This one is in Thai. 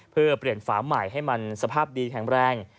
เพื่อเปลี่ยนฝาใหม่ให้มันสภาพดีแข็งแรง